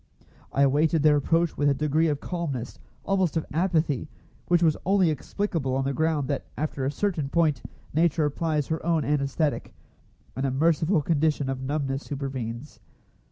I awaited their approach with a degree of calmness, almost of apathy, which was only explicable on the ground that after a certain point Nature applies her own anæsthetic, and a merciful condition of numbness supervenes.